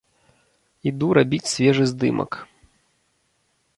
Іду рабіць свежы здымак.